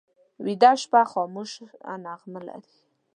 ویده شپه خاموشه نغمه لري